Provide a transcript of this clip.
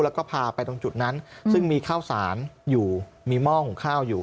แล้วก็พาไปตรงจุดนั้นซึ่งมีข้าวสารอยู่มีหม้อหุงข้าวอยู่